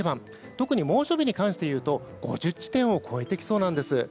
特に猛暑日に関していうと５０地点を超えてきそうです。